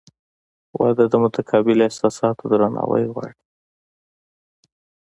• واده د متقابل احساساتو درناوی غواړي.